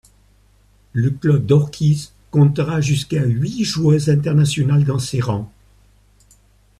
Le club d’Orchies comptera jusqu’à huit joueuses internationales dans ses rangs.